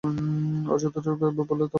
আরও যথার্থভাবে বললে বলা ভালো তাঁর ছাতা।